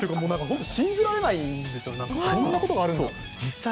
信じられないんですよね、こんなことあるんだって。